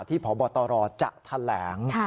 ที่ผอบตรจะแถลง